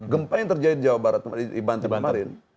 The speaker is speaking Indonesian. gempa yang terjadi di jawa barat di banten kemarin